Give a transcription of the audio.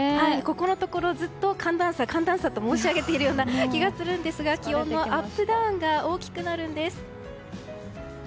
ここのところずっと寒暖差、寒暖差と申し上げている気がするんですが気温のアップダウンが大きくなるんです。